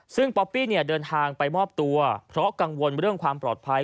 ซึ่งป๊อปปี้เนี่ยเดินทางไปมอบตัวเพราะกังวลเรื่องความปลอดภัย